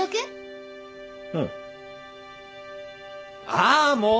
ああもう！